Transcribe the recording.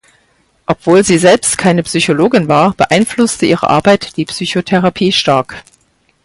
Obwohl sie selbst keine Psychologin war, beeinflusste ihre Arbeit die Psychotherapie stark.